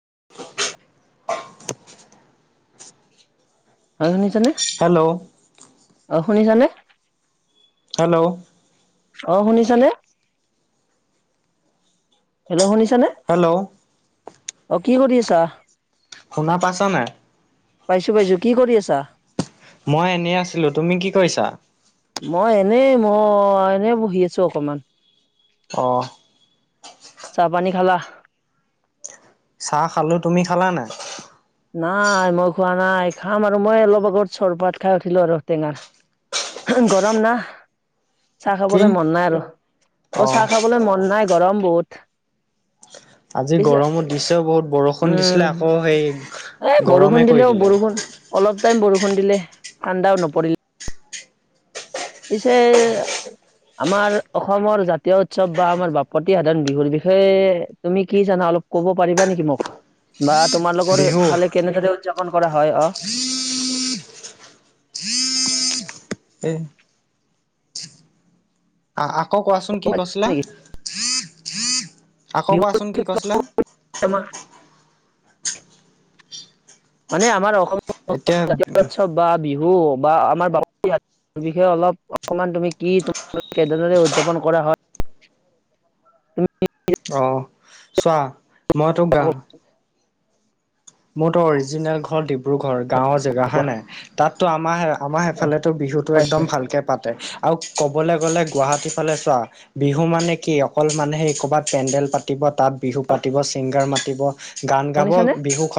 [inaudible] হয়, শুনিছানে? হেল্ল'! অ', শুনিছানে? হেল্ল'! অ', শুনিছানে? হেল্ল' শুনি হেল্ল'! অ', কি কৰি আছা? শুনা পাইছা নে? পাইছো পাইছো। কি কৰি আছা? মই এনেই আছিলো। তুমি কি কৰিছা? মই এনেই মই এনে বহি আছোঁ অকমান। অহ। চাহ-পানী খালা? চাহ খালো। তুমি খালা নাই? নাই মই খোৱা নাই। খাম আৰু। মই অলপ আগত চৰপাত খাই উঠিলো আৰু টেঙা। গৰম না। চাহ কি খাবলৈ মন নাই আৰু। অ', অহ চাহ খাবলে মন নাই গৰম বহুত। আজি পিছে গৰমো দিছে বহুত। বৰষুণ দিছিলে উম। আকৌ সেই এ গৰমে বৰষুণ কৰি দিলেও দিলে বৰষুণ অলপ টাইম বৰষুণ দিলে ঠাণ্ডাও নপৰিল। পিছে আমাৰ অসমৰ জাতীয় উৎসৱ বা আমাৰ বাপতি সাধন বিহুৰ বিষয়ে তুমি কি জানা অলপ ক'ব পাৰিবা নেকি মোক বা বিহু তোমাৰালোকৰফালে কেনেদৰে উপাদযাপন ন কৰা হয় অ',। এই আকৌ কোৱাচোন কি কছিলা। আকৌ কোৱাচোন কি বিহু কৈছিলা। মানে আমাৰ অসম এতিয়া জাতীয় উৎসৱ বা বিহু বা আমাৰ বাপুতি সা বিষয়ে অলপ অকমান তুমি কি কেদৰে উদযাপন কৰা হয়। উ। অহ চোৱা মই তোক গা মোৰ তো অৰিজিনেল ঘৰ ডিব্ৰুগড় গাঁওৰ জেগা হা কোৱা নাই তাততো আমাৰ আমাৰ সেইফালেতো বিহুতো হয় একদম ভালকে পাতে। আৰু ক'বলৈ গ'লে গুৱাহাটী ফালে চোৱা বিহু মানে কি অকল মানুহে ক'ৰবাত পেণ্ডেল পাতি তাত বিহু পাতিব ছিংগাৰ মাতিব গান গাব শুনিছানে? বিহু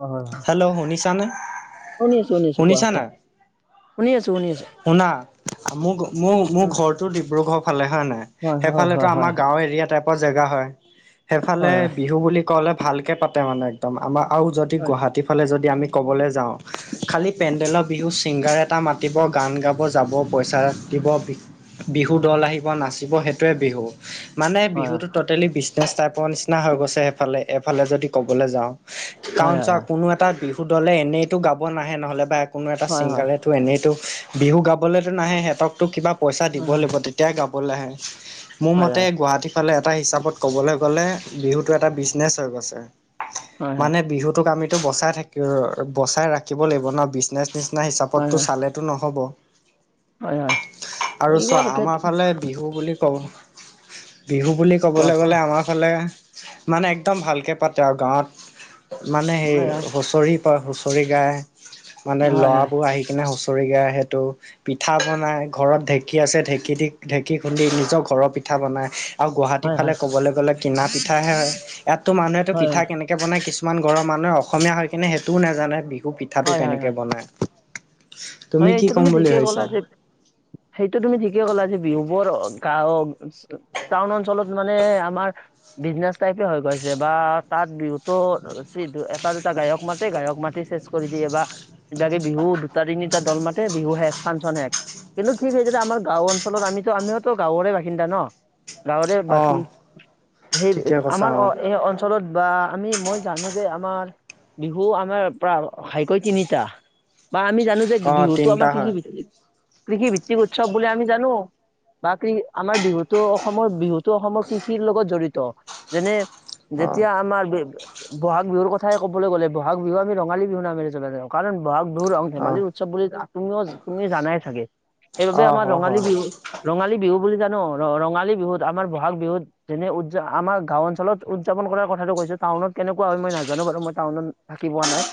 হয় হয় হয়। হেল্ল' শুনিছানে শুনি আছো শুনি আছো কোৱা শুনিছা কোৱা শুনি আছো শুনি আছোঁ। শুনা ম মোৰ মোৰ ঘৰটো ডিব্ৰুগড় ফালে হয় নাই হয় হয় সেইফালো হয় আমাৰ গাওঁ এৰিয়া টাইপত জেগা হয় সেইফালে হয় হয় বিহু বুলি কলে ভালকে পাতে মানে একদম আমাৰ আৰু যদি হয় গুৱাহাটীৰ ফালে যদি আমি ক'বলৈ যাওঁ খালী পেণ্ডেলৰ বিহু ছিংগাৰ এটা মাতিব গান গাব যাব পইচা দিব বি বিহু দল আহিব নাচিব সেইটোৱে বিহু। মানে হয় বিহুতো টোটেলি বিজনেছ টাইপৰ নিচিনা হৈ গৈছে সেইফালে এইফালে যদি ক'বলৈ যাওঁ। হয় হয় হয় কাৰণ হয় হয় চাওক কোনো এটা বিহু দলে এনেইতো গাব নাহে নহলে বা কোনো এটা ছিংগাৰে হয় এনেইতো বিহু গাবলেতো নাহে সিহঁতকতো কিবা পইচা দিব লাগিব হয় তেতিয়া গাবলৈ আহে মোৰ হয় মতে হয় গুৱাহাটী ফালে এটা হিচাপত ক'বলৈ গলে বিহুতটো এটা বিজনেচ হৈ গৈছে হয় হয় মানে বিহুতোক আমি এইটো বচাই থাকিব বচাই ৰাখিব লাগিব ন বিজনেচ নিচি হয় হিচাপতো হয় চালেতো নহ'ব। হয় হয় আৰু চোৱা আমাৰ ফালে বিহু বুলি বুলি কোৱা ক'বলৈ কোৱা গ'লে আমাৰ ফালে ভাল পা তেওঁ গাঁৱত মানে সেই হয় হয় হুঁচৰি প হুঁচৰি গায় মানে হয় হয় ল'ৰাবোৰ আহি কিনে হুচ ৰি সেইটো পিঠা বনাই ঘৰত ঢেঁকী আছে ঢেঁকী দি ঢেঁকী খুন্দি নিজৰ ঘৰৰ পিঠা পিঠা বনাই। আৰু গুৱাহাটী হয় ফালে হয় ক'বলৈ গ'লে কিনা পিঠাহে হয় ইয়াততো মানুহেতটো হয় পিঠা হয় কেনেকে বনায় কিছু কিছুমান ঘৰৰ মানুহে অসমীয়া হৈ কিনে সেইটোও নাজানে বিহু পিঠাটো হয় হয় কেনেকে হয় বনায়। হয় সেইটো তুমি ঠিকে কলা যে সেইটো তুমি ঠিকে কলা যে বিহুবোৰ গাও টাউন অঞ্চলত মানে আমাৰ বিজনেচ টাইপে হৈ গৈছে বা তাত বিহুতো এটা দুটা গায়ক মাতেই গায়ক মাতিছে কৰি দিয়ে বা এাকে বিহু দুটা তিনিটা দল মাতে বিহু শেষ ফাংচন শেষ। কিন্তু ঠিক যে আমাৰ গাঁও অঞ্চলত আমিতো আমিওতো গাঁওৰে বাসিন্দা ন। গাঁওৰে অ বাকী সেই ঠিকে কৈছা আমাৰ অ', এই অঞ্চলত বা আমি মই জানো যে আমাৰ বিহু আমাৰ প্ৰ ঘাইকৈ তিনিটা বা আমি জান অ বিহুতো আমাৰ তিনিটা হয় কৃষিভিত্তক কৃষিভিত্তিক উৎসৱ বুলি আমি জানো। বা কৃ আমাৰ বিহুতো অসমৰ বিহুতো অসমৰ কৃষিৰ লগত জড়িত যেনে অ যেতিয়া আমাৰ ব'হাগ বিহুৰ কথাই ক'ব গ'লে বহাগ বিহু আমি ৰঙালী বিহু নামে যাব জনা যাই কাৰণ বহাগ বিহু ৰং অ ধেমালি উৎসৱ বুলি তুমিও তুমি জানাই চাগে সেইবাবে অ আমাৰ হয় ৰঙালী হয় বিহু ৰঙালী বিহু বুলি জানো। ৰ ৰঙালী বিহু আম বহাগ বিহুত যেনে উদযাপন আমাৰ গাও অঞ্চলত উদযাপন কৰাৰ কথাটো কৈছো। টাউনত কেনেকুৱা হয় মই নাজানোঁ বাৰু মই টাউনত থাকি পোৱা নাই,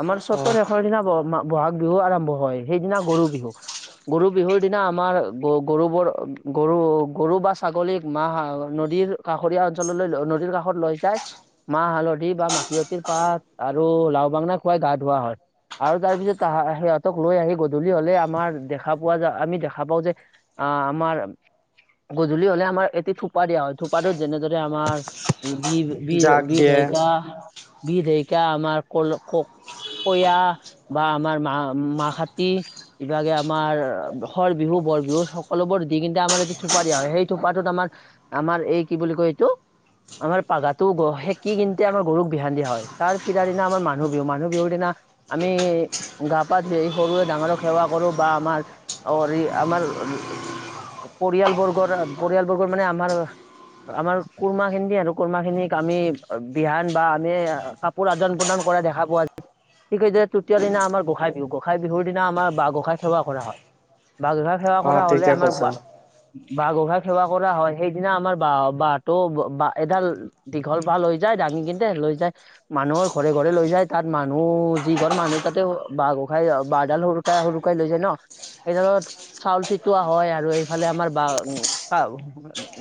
আমাৰ অ চতৰ শেষৰ দিনা ব- মা- বহাগ বিহু আৰম্ভ হয় সেইদিনা গৰু বিহু। গৰু বিহুৰ দিনা আমাৰ গ- গৰুবোৰ গৰু গৰু বা ছাগলীক মাহ নদী নদীৰ কাষৰীয়া অঞ্চললৈ নদীৰ কাষত লৈ যায়। মাহ হালধি বা মাখিয়তিৰ পাত আৰু লাও বাঙনা খুৱাই গা ধোৱা হয় আৰু তাৰ পিছত [unintelligible] সিহঁতক লৈ আহি গধূলি হ'লে আমাৰ দেখা পোৱা যায় আমি দেখা পাওঁ যে আহ আমাৰ গধলি হ'লে আমাৰ এটি থোপা দিয়া হয় থোপাটোত যেনেদৰে আমাৰ জাগ বি-বি-বি দিয়ে ঢেয়কা। বি ঢেয়কা আমাৰ কল ক-ক- কয়াহ। বা আমাৰ মা মাহ খাতি, ইবাগে আমাৰ সৰ বিহু, বৰ বিহু সকলোবোৰ দি দি কিন্তে আমাৰ যি থোপা দিয়া হয় সেই থোপাটোত আমাৰ আমাৰ এই কি বুলি কয় এইটো আমাৰ পাঘাতো সেঁকি কিনতে আমাৰ গৰুক বিহান দিয়া হয় তাৰ ফিৰা দিনা আমাৰ মানুহ বিহু মানুহ বিহুৰ দিনা আমি গা পা ধুই আহি সৰুৱে ডাঙৰক সেৱা কৰোঁ বা আমাৰ অৰি আমাৰ পৰিয়ালবৰ্গৰ পৰিয়ালবৰ্গৰ মানে আমাৰ আমাৰ কুৰমা খিনিক আৰু কুৰমা খিনিক আমি বিহান বা আমি কাপোৰ আদান প্ৰদান কৰা দেখা পোৱা যায় [unintelligible] তৃতীয় দিনা আমাৰ গোসাই বিহু গোসাই বিহুৰ দিনা আমাৰ বাঁহ গোসই সেৱা কৰা হয়, বাঁহ গোসাঁই সেৱা অ কৰা হ'লে ঠিকে আমাৰ কৈছা বা বাঁহ গোসাঁই সেৱা কৰা হয় সেইদিনা আমাৰ বা বাঁহটো এ এডাল দীঘল ভাল হৈ যায় [unintelligible] লৈ যায় মানুহৰ ঘৰে ঘৰে লৈ যায় তাত মানুহ যি ঘৰ মানুহ তাতে বাঁহ গোঁসাই বাঁহডাল সৰুকাই সৰুকাই লৈ যায় ন'। সেইডালত চাউল চিটোৱা হয় আৰু এইফালে আমাৰ বা- ব-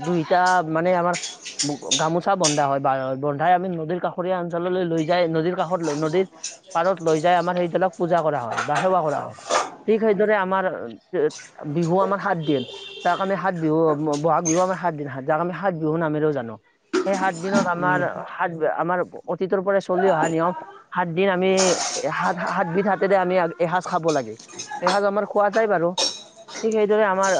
দুইহিতা মানে আমাৰ গামোচা বন্ধা হয় বা- বন্ধাই আমি নদীৰ কাষৰীয়া অঞ্চললৈ লৈ যায় নদীৰ কাষত নদীৰ পাৰত লৈ যাই আমাৰ সেইডালক পূজা কৰা হয় বা সেৱা কৰা হয়। ঠিক সেইদৰে আমাৰ বিহু আমাৰ সাত দিন তাৰ কাৰণে সাত বিহু বহাগ বিহু আমাৰ সাত দিন হাত যাক আমি সাত বিহুৰ নামেৰেও জানো। সেই সাত দিনত আমাৰ সাত আমাৰ অতীতৰ পৰা চলি অহা নিয়ম সাত দিন আমি এ সাত সাতবিধ হাতেৰে আমি এসাঁজ খাব লাগে, সেই সাঁজ আমাৰ খোৱা যায় বাৰু। ঠিক সেইদৰে আমাৰ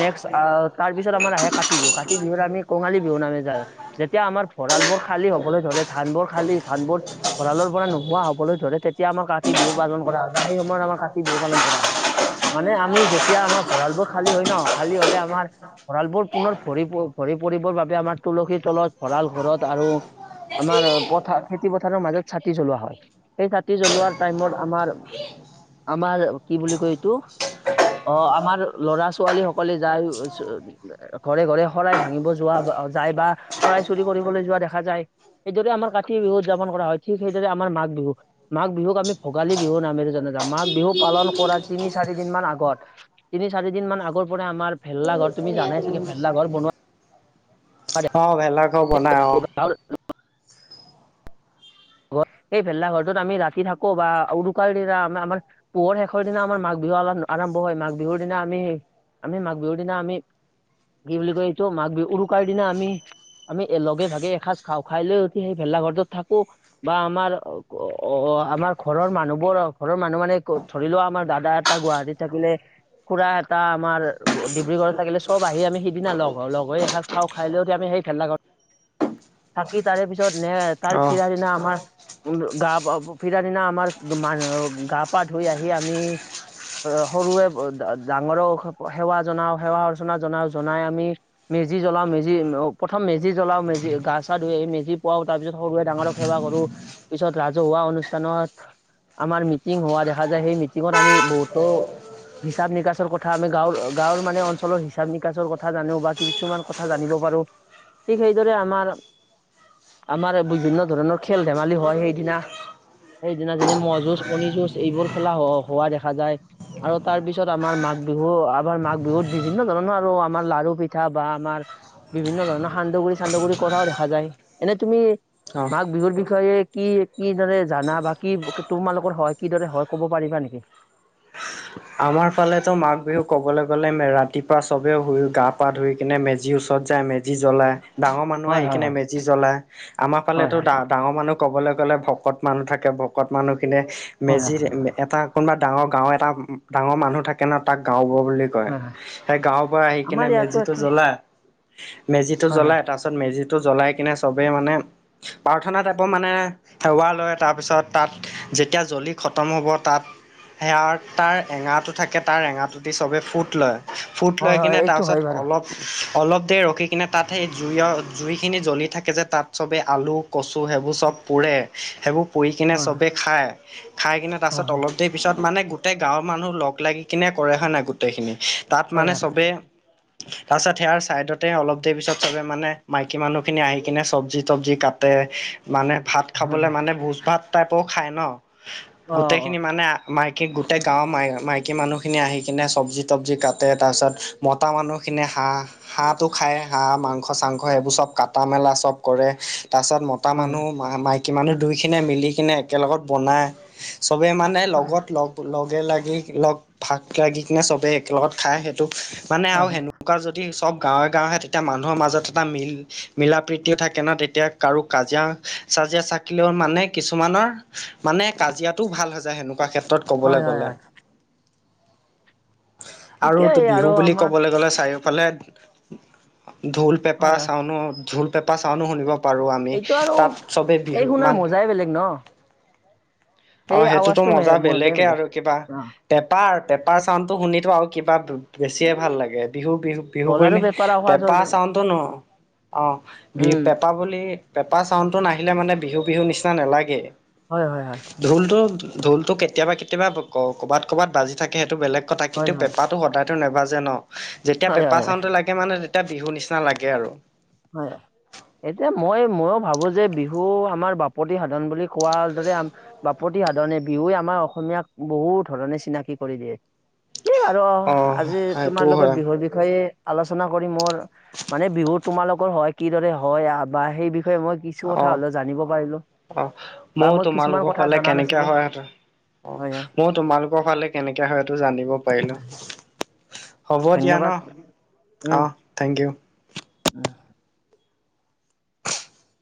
নেক্স অ' তাৰ পিছত আমাৰ আহে কাতি বিহু কাতি বিহুত আমি কঙালী বিহু [unintelligible] যেতিয়া আমাৰ ভঁৰালবোৰ খালী হ'বলৈ ধৰে ধা বোৰ খালী ধানবোৰ ভঁৰালৰ পৰা নো হোৱা হ'বলৈ ধৰে তেতিয়া আমাৰ কাতি বিহু পালন কৰা হয় বা সেই সময়ত আমাৰ কাতি বিহু পালন কৰা হয়। মানে আমি যেতিয়া আমাৰ ভঁৰালবোৰ খালী হয় ন' খালী হ'লে আমাৰ ভঁৰালবোৰ পুনৰ ভৰি ভৰি [unintelligible] পৰিবৰ বাবে আমাৰ তুলসীৰ তলত ভঁৰাল ঘৰত আৰু আমাৰ পথাৰ খেতি পথাৰৰ মাজত ছাঁতি জোলোৱা হয়। এই কাতি জ্বলোৱাৰ টাইমত আমাৰ আমাৰ কি বুলি কয় এইটো অ' আমাৰ লৰা ছোৱালী সকলে যাই [unintelligible] ঘৰে ঘৰে শৰাই ভাঙিব যোৱা বা যায় বা শৰাই চুৰি কৰিবলৈ যোৱা দেখা যায়। সেইদৰে আমাৰ কাতি বিহু উদযাপন কৰা হয় ঠিক সেইদৰে আমাৰ মাঘ বিহু মাঘ বিহুক আমি ভোগালী বিহু নামেৰে জনা যাওঁ, মাঘ বিহু পালন কৰা তিনি চাৰি দিন মান আগত তিনি চাৰি দিন মান আগৰ পৰাই আমাৰ ভেল্লা ঘৰ তুমি জানাই চাগে উম ভেল্লা ঘৰ বনোৱা অ' ভেল্লা বনাই অ'। ঘৰ সেই ভেলা ঘৰটোত আমি ৰাতি থাকোঁ বা উৰুকাৰ দিনা আমা আমাৰ পুহৰ শেষৰ দিনা আমাৰ মাঘ বি বিহু আলম আৰম্ভ হয় মাঘ বিহুৰ দিনা আমি, আমি মাঘ বিহুৰ দিনা আমি কি বুলি কয় মাঘ বিহু উৰুকাৰ দিনা আমি আমি লগে ভাগে এসাঁজ খাওঁ খাই লৈ উঠি সেই ভেল্লা ঘৰটোত থাকোঁ। বা আমাৰ অ' আমাৰ ঘৰৰ মানুহবোৰ ঘৰৰ মানুহ মানে ধৰি লোৱা আমাৰ দাদা এটা গুৱাহাটী থাকিলে। খুৰা এটা আমাৰ ডিব্ৰুগড়ত থাকিলে চব আহি আমি সিদিনা লগ হওঁ। লগ হৈ এসাঁজ খাওঁ, খাই লৈ আমি সেই ঠান্দা ঘত, থাকি তাৰে পিছত নে তাৰ অ ফিৰা দিনা আমাৰ [unintelligible] গা পা ফিৰা দিনা আমাৰ মান গা পা ধুই আহি আমি সৰুৱে ডা ডাঙৰক সেৱা জনাও, সেৱা অৰ্চনা জনাও জনাই আমি মি মেজি জ্বলাও মেজি, অ', প্ৰথম মেজি জ্বলাও মে গা চা ধুুই আহি মেজি পুৱাও, তাৰ পিছত সৰুৱে ডাঙৰক সেৱা কৰোঁ, পিছত ৰাজহুৱা অনুষ্ঠানত আমাৰ মিটিং হোৱা দেখা যায়, সেই মিটিঙত আমি বহুতো হিচাপ নিকাচৰ কথা আমি গাঁৱৰ গাঁৱৰ মানে অঞ্চলৰ হিচাপ নিকাচৰ কথা জানো বা কিছুমান কথা জানিব পাৰো। ঠিক সেইদৰে আমাৰ আমাৰ বিভিন্ন ধৰণৰ খেল ধেমালি হয় সেইদিনা। সেইদিনা যেনে, ম' যুঁজ, কণী যুঁজ এইবোৰ খেলা হ হোৱা দেখা যায় আৰু তাৰ পিছত আমাৰ মা বিহু আমাৰ মাঘ বিহুত বিভিন্ন ধৰণৰ আৰু আমাৰ লাৰু, পিঠা বা আমাৰ বিভিন্ন ধৰণৰ সান দগুড়ি-চান্দগুড়ি কৰাও দেখা যায়, এনে তুমি অ মাঘ বিহুৰ বিষয়ে কি কিদৰে জানা, বা কি তোমালোকৰ হয়, কিদৰে হয়, ক'ব পাৰিবা নেকি? [inaudible] আমাৰ ফালেতো মাঘ বিহু ক'বলৈ গ'লে মে ৰাতিপুৱা চবে শুই গা পা ধুই কিনে মেজিৰ ওচৰত যায় মেজ জি জ্বলায়, ডাঙৰ মানুহে হয় আহি হয় কিনে মেজি জ্বলায়। আমাৰ হয় ফালেতো হয় ডা ডাঙৰ মানুহ ক'বলৈ গ'লে ভকত মানুহ থাকে, ভকত মানুহখিনিয়ে হয় হয় মেজিৰ এটা কোনোবা ডাঙৰ গাওঁ এটা ডাঙৰ মানুহ থাকে ন তাক গাওঁবুঢ়া বুলি কয়। হয় হয় সেই গাওঁবুঢ়া আহি কিনে আমাৰ ইয়াতো মেজিটো একে জ্বলায়। মেজিটো হয় হয় জ্বলাই, তাৰপিছত মেজিত টো জ্বলাই কিনে চবেই মানে প্ৰাৰ্থনা তাইপৰ মানে সেৱা লয়, তাৰপিছত তাত যেতিয়া জ্বলি খতম হ'ব তাত, সেয়াৰ তাৰ এঙাৰটো থাকে তাৰ এঙাৰটো দি চবেই ফুট লয়। ফুট লৈ হয় হয় কিনে এইটো তাৰপাছত হয় বাৰু অলপ অলপ দেৰি ৰখি কিনে তাত সেই জুয়ৰ, জুইখিনি জ্বলি থাকে যে, তাত চবেই আলু, কচু সেইবোৰ চব পুৰে, সেইবোৰ পুৰি কিনে হয় চবেই খায়। খাই কিনে হয় তাৰপিছত অলপ দেৰি পিছত মানে গোটেই গাঁৱত মানুহ লগ লাগি কিনে কৰে হয় নাই গোটেইখিনি, তাত হয় হয় হয় মানে চবে তাইচত সেয়াৰ চাইদতে অলপ দেৰি পিছত চবে মানে, মাইকী মানুহ খিনি আহি কিনে চবজি তবজি কাটে। মানে ভাত হয় খাবলৈ মানে ভোজ ভাত টাইপ খায় ন হয় অ অ গোটেইখিনি মানে মাইকী গোটৈক গাঁৱৰ মাই মাইকী মানুহখিনি আহি কিনে চবজি তবজি কাটে, তাৰপিছত মতা মানুহখিনিয়ে হাঁহ হাঁহটো খায়, হাঁহ মাংস চাংস এইবোৰ চব কাটা মেলা চব কৰে। তাৰছত মতা হয় মানুহ, মাইকী মানুহ দুইখিনিয়ে মিলি কিনে একেলগত বনায়। চবে মানে হয় লগত লগ, লগ ভাগে লাগি লগ ভাগ লাগি কিনে চবেই একেলগত খাই সেইটো মানে হয় আৰু সেনেকুৱা যদি সব গাঁৱে গাঁৱে তেতিয়া মানুহৰ মাজত এটা মিল মিলা প্ৰিতিও থাকে ন, তেতিয়া কাৰো কাজিয়া চা কাজিয়া চাকিলেও মানে কিছুমানৰ মানে কাজিয়াটোও ভাল হৈ যায় সেনেকুৱা ক্ষেত্ৰত ক'বলৈ হয়, গ হয়। আৰু ঠিকেই বিহু বুলি আমাৰ ক'বলৈ গ'লে চাইও ফালে, ঢোল, পেঁপা হয় হয় চাউনো ঢোল, পেঁপা চাউনো শুনিব পাৰো আমি, এইটো আৰু তাত চবে এই বিহু শুনাৰ মান মজাই বেলেগ ন সেই অ', সেইটোতো আৱাজটো মজা মে- মজাই বেলেগে বেলেগ আৰু। পা, অ পেপাৰ পেপাৰ চাউনটো শুনিতো আৰু কিবা বেছিয়ে ভাল লাগে, বিহু, বিহু, বিহু ঢোল আৰু বুলি পেপাৰ আৱাজ হ'ল পেঁপা চাউন্দটো ন! অ', বি উম পেঁপা বুলি, পেঁপা চাউন্দটো নাহিলে মানে বিহু, বিহু নিচিনা নেলাগে। হয় হয় হয় ঢোলটো, ঢোলটো কেতিয়াবা কেতিয়াবা ক-ক'বাত, ক'বাত বাজি থাকে সেইটো বেলেগ কতা কিন্তু হয় হয় পেঁপাটো সদায়তো নেবাজে ন? যেতিয়া হয় পেঁপা হয় হয় চাউনটো লাগে মানে তিয়া বিহু নিচিনা লাগে আৰু। হয়। এতিয়া মই ময়ো ভাবো যে বিহু আমাৰ বাপতি সাধন বুলি কোৱাৰ দৰে বাপতি সাধনে বিহুৱে আমাৰ অসমীয়াক বহুত ধৰণে চিনাকি কৰি দিয়ে। সেই আৰু অ আজি তোমাৰ সেইটোও লগত হয় বিহুৰ বিষয়ে আলোচনা কৰি মোৰ মানে বিহুত তোমালোকৰ হয়, কিদৰে হয় বা সেই বিষয়ে মই কিছু অ কথা হ'লেও জানিব পাৰিলো অ বা ময়ো মই কিছুমান তোমালোকৰ কথা ফালে জনা কেনেকে নাছিলো। হয় সেইটো অ হয় মই তোমালোকৰ ফালে কেনেকে হয়টো জানিব পাৰিলো। হয় হ'ব দিয়া ন, ধন্যবাদ উম অ থেংক উম ইউ।